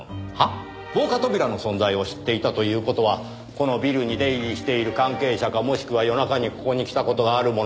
防火扉の存在を知っていたという事はこのビルに出入りしている関係者かもしくは夜中にここに来た事がある者。